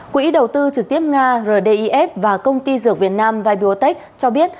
quỹ đầu tư trực tiếp nga rdif và công ty dược việt nam vibotech cho biết